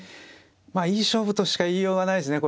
まあいい勝負としか言いようがないですね。